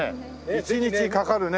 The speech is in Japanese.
１日かかるね。